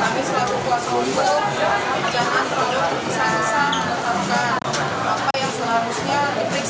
tapi setiap kekuasaan hujan pekerjaan produk bisa asal menetapkan apa yang selanjutnya diperiksa